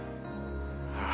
ああ。